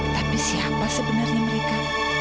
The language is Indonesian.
tapi siapa sebenarnya mereka